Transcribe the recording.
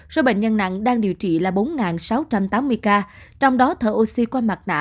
số bệnh nhân nặng đang điều trị là bốn sáu trăm tám mươi ca trong đó thở oxy qua mặt nạ